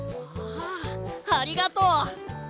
ああありがとう！